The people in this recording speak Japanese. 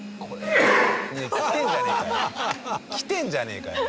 きてんじゃねえかよ。